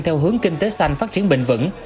theo hướng kinh tế xanh phát triển bình vẩn